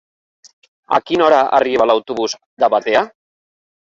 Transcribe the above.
A quina hora arriba l'autobús de Batea?